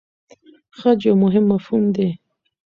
خج یو مهم مفهوم دی.